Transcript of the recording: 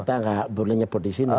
kita gak boleh nyebut disini